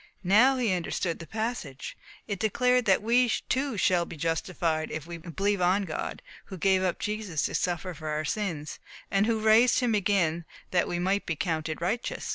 Now he understood the passage. It declared that we too shall be justified, if we believe on God, who gave up Jesus to suffer for our sins, and who raised him again that we might be counted righteous.